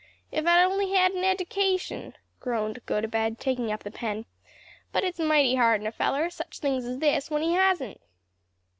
"If I'd only had an edication!" groaned Gotobed, taking up the pen; "but it's mighty hard on a feller such things as this is when he hasn't."